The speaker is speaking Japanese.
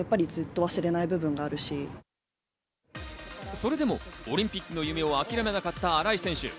それでもオリンピックの夢を諦めなかった新井選手。